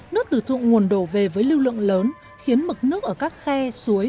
nước từ thượng nguồn đổ về với lưu lượng lớn khiến mực nước ở các khe suối